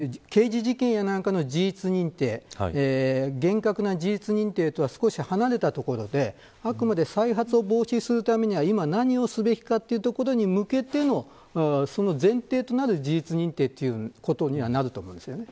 そういう意味において刑事事件なんかの事実認定厳格な事実認定とは少し離れたところであくまで再発を防止するためには今何をすべきかというところに向けてのその前提となる事実認定ということにはなると思うんですね。